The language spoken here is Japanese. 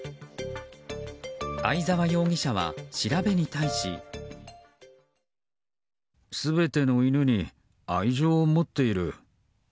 相沢容疑者は、調べに対し。全ての犬に愛情を持っている。